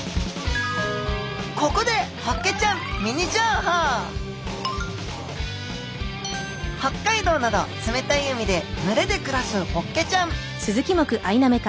ここで北海道など冷たい海で群れで暮らすホッケちゃん。